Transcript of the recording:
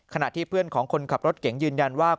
ขณะที่เพื่อนของคนขับรถเก๋งยืนยันว่า